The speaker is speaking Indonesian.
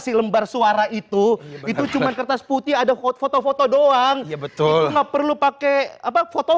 si lembar suara itu itu cuman kertas putih ada hot foto foto doang ya betul nggak perlu pakai apa foto